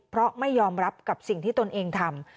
เพราะไม่ยอมรับกับสิ่งที่ตนเองทำ